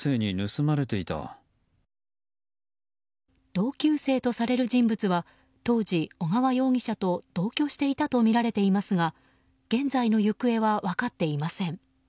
同級生とされる人物は当時小川容疑者と同居していたとみられていますが現在の行方は分かっていません。